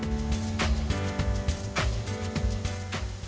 minyak goreng kemasan